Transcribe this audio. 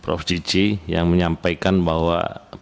prof cici yang menyampaikan bahwa